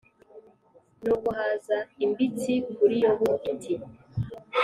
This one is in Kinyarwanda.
nuko haza imbitsi kuri yobu iti